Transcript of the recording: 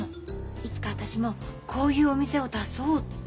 いつか私もこういうお店を出そうって。